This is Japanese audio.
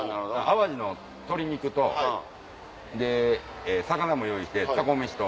淡路の鶏肉と魚も用意してタコ飯と。